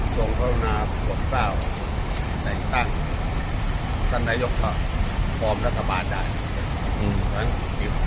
ส่วนโคลนา๖๙แต่ตั้งตั้นนายกก็พร้อมรัฐบาลได้